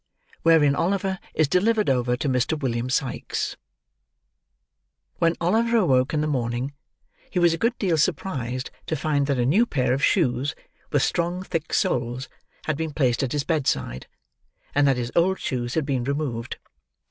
WHEREIN OLIVER IS DELIVERED OVER TO MR. WILLIAM SIKES When Oliver awoke in the morning, he was a good deal surprised to find that a new pair of shoes, with strong thick soles, had been placed at his bedside; and that his old shoes had been removed.